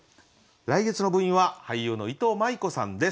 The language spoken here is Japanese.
来月の部員は俳優のいとうまい子さんです。